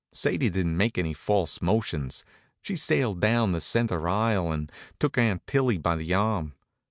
Sadie didn't make any false motions. She sailed down the center aisle and took Aunt Tillie by the arm.